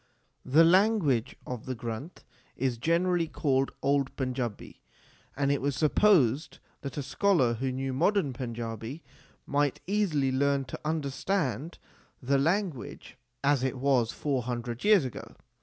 The language of the Granth is generally called old Panjabi ; and it was supposed that a scholar who knew modern Panjabi, might easily learn to understand the language as it was four hundred years ago.